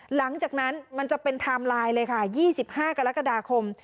หลังจากนั้นมันจะเป็นไทม์ไลน์เลยค่ะ๒๕กรกฎาคม